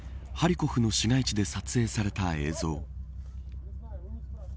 ハリコフの市街地で撮影された映像。